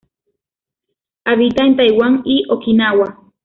Habita en Taiwán y Okinawa.